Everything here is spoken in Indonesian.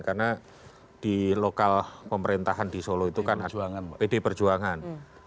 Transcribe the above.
karena di lokal pemerintahan di solo itu kan pd perjuangan